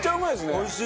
おいしい！